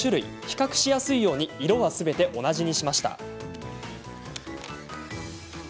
比較しやすいように色は、すべて同じにしました。